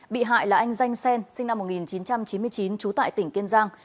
bị hại là anh danh xen sinh năm một nghìn chín trăm chín mươi chín trú tại tỉnh kiên giang